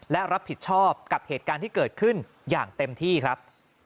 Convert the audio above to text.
และรับผิดชอบกับเหตุการณ์ที่เกิดขึ้นอย่างเต็มที่ครับ